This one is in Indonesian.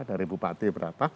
dari bupati berapa